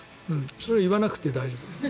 それは言わなくて大丈夫です。